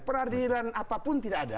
peradilan apapun tidak ada